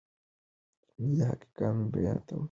دی د حقایقو بیان ته دوام ورکوي.